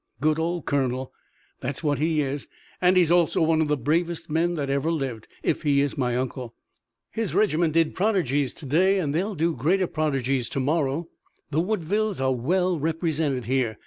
"Good old colonel!" "That's what he is, and he's also one of the bravest men that ever lived, if he is my uncle. His regiment did prodigies to day and they'll do greater prodigies to morrow. The Woodvilles are well represented here.